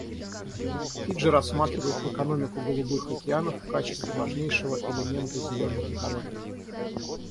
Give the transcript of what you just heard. Фиджи рассматривает «экономику голубых океанов» в качестве важнейшего элемента «зеленой экономики».